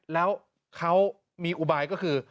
แล้วเขามีอุบายก็คือ